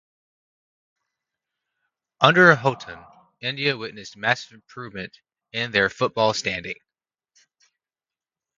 Under Houghton, India witnessed massive improvement in their football standing.